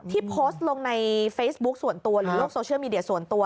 โพสต์ลงในเฟซบุ๊คส่วนตัวหรือโลกโซเชียลมีเดียส่วนตัว